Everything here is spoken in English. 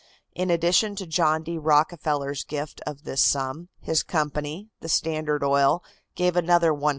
In addition to John D. Rockefeller's gift of this sum, his company, the Standard Oil, gave another $100,000.